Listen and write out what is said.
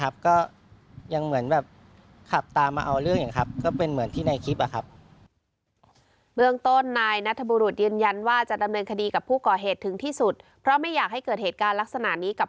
เบื้องต้นนายนัทบุรุษยืนยันว่าจะดำเนินคดีกับผู้ก่อเหตุถึงที่สุดเพราะไม่อยากให้เกิดเหตุการณ์ลักษณะนี้กับ